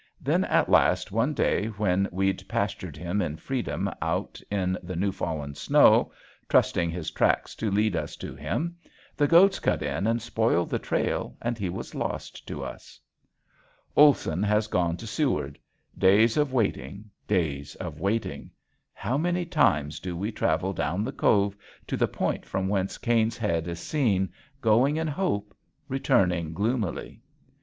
Then at last one day when we'd pastured him in freedom out in the new fallen snow, trusting his tracks to lead us to him, the goats cut in and spoiled the trail and he was lost to us. Olson has gone to Seward: days of waiting, days of waiting! How many times do we travel down the cove to the point from whence Caine's Head is seen, going in hope, returning gloomily.